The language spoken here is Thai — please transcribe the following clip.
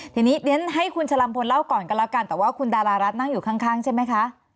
ทีนี้เรียนให้คุณชะลัมพลเล่าก่อนกันแล้วกันแต่ว่าคุณดารารัฐนั่งอยู่ข้างใช่ไหมคะ